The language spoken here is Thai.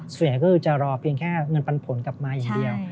ส่วนใหญ่ก็คือจะรอเพียงแค่เงินปันผลกลับมาอย่างเดียว